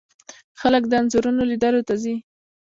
خلک د انځورونو لیدلو ته ځي.